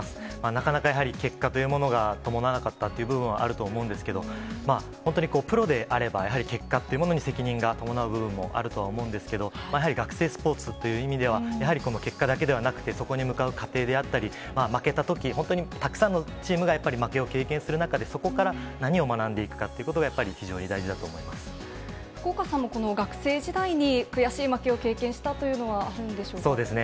なかなかやはり結果というものが伴わなかったという部分はあるとは思うんですけど、本当にプロであれば、やはり結果というものに責任が伴う部分もあるとは思うんですけど、やはり学生スポーツという意味では、やはりこの結果だけではなくて、そこに向かう過程であったり、負けたとき、本当に、たくさんのチームがやっぱり負けを経験する中で、そこから何を学んでいくかということが、福岡さんも、この学生時代に悔しい負けを経験したというのはあるんでしょうか。